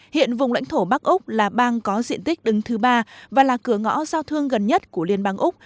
hiện vùng lãnh thổ bắc úc là bang có diện tích đứng thứ ba và là cửa ngõ giao thương gần nhất của liên bang úc